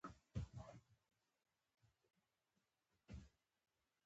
د oy او uy دوه غبرګغږونه هم په ی ښوول کېږي